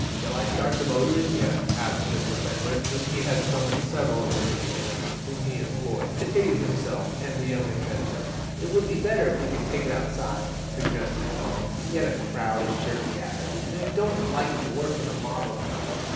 "Shall I start the motor in here?" asked Mr. Fenwick, when he had summoned several of the machinists whom he employed, to aid himself and the young inventor. "It would be better if we could take it outside," suggested Tom, "yet a crowd is sure to gather, and I don't like to work in a mob of people."